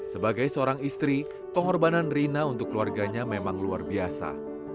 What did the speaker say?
sebagai seorang istri pengorbanan rina untuk keluarganya memang luar biasa